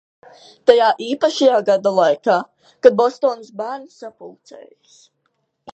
Tajā īpašajā gada laikā, kad Bostonas bērni sapulcējas.